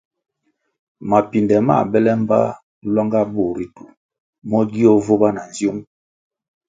Mapinde mā bele mbpa lwanga bur ritu mo gio vubah na nziung.